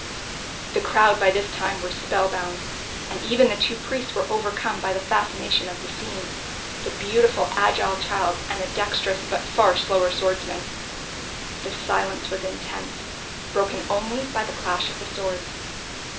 The crowd by this time were spell bound and even the two priests were overcome by the fascination of the scene, the beautiful agile child and the dexterous but far slower swordsman. The silence was intense, broken only by the clash of the swords.